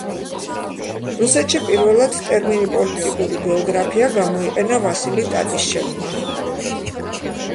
რუსეთში პირველად ტერმინი პოლიტიკური გეოგრაფია გამოიყენა ვასილი ტატიშჩევმა.